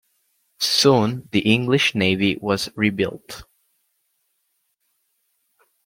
Soon the English navy was rebuilt.